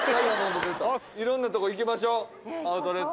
いろんなとこ行きましょアウトレット。